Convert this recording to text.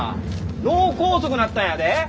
脳梗塞なったんやで？